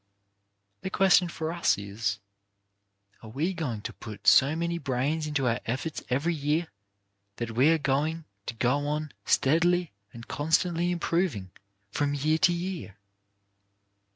The question for us is: "Are we going to put so much brains into our efforts every year, that we are going to go on steadily and constantly improving from year to year